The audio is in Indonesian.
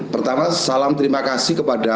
pertama salam terima kasih kepada